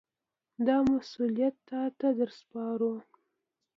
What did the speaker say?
دا مسوولیت تاته در سپارو.